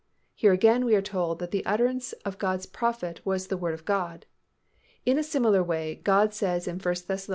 Here again we are told that the utterance of God's prophet was the word of God. In a similar way God says in 1 Thess.